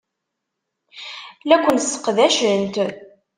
La ken-sseqdacent.